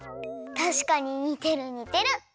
たしかににてるにてる！